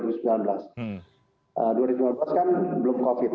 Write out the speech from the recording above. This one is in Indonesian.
dua ribu dua belas kan belum covid